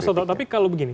mas total tapi kalau begini